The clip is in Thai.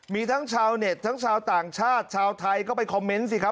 มีทั้งชาวเน็ตทั้งชาวต่างชาติชาวไทยก็ไปคอมเมนต์สิครับ